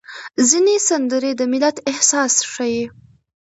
ځینې سندرې د ملت احساس ښيي.